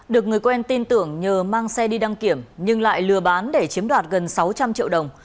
được người quen tin tưởng nhờ mang xe đi đăng kiểm nhưng lại lừa bán để chiếm đoạt gần sáu trăm linh triệu đồng